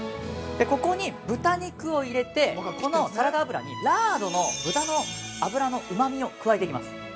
ここに豚肉を入れて、このサラダ油にラードの豚の脂のうまみを加えていきます。